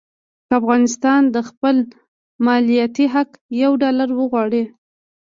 که افغانستان د خپل مالیاتي حق یو ډالر وغواړي.